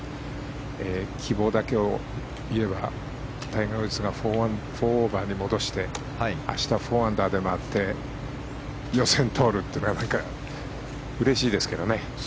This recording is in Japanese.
希望だけを言えばタイガー・ウッズが４オーバーに戻して明日、４アンダーで回って予選を通るというのがうれしいですけどね。